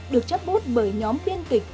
được chấp bút bởi nhóm biên kịch